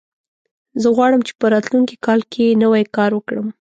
زه غواړم چې په راتلونکي کال کې نوی کار وکړم